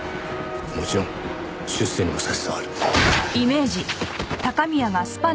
もちろん出世にも差し障る。